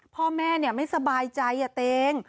พ่อแม่ไม่สบายใจเตง